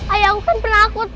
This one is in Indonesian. ayah aku kan pernah akut